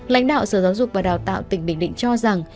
lãnh đạo sở giáo dục và đào tạo tỉnh bình định cho rằng